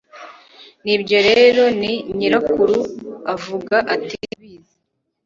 Nibyo rero ni nyirakuru avuga ati Ndabizi